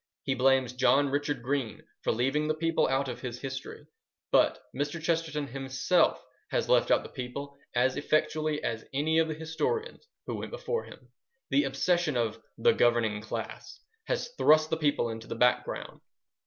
He blames John Richard Green for leaving the people out of his history; but Mr. Chesterton himself has left out the people as effectually as any of the historians who went before him. The obsession of "the governing class" has thrust the people into the background.